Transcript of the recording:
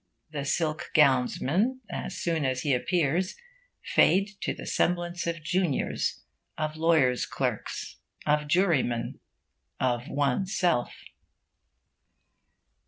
The silk gownsmen, as soon as he appears, fade to the semblance of juniors, of lawyers' clerks, of jurymen, of oneself.